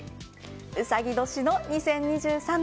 うさぎ年の２０２３年